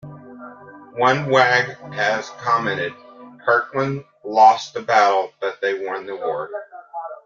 One wag has commented: "Kirkland lost the battle, but they won the war".